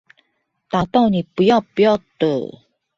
打到你不要不要的